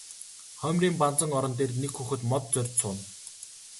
Хоймрын банзан орон дээр нэг хүүхэд мод зорьж сууна.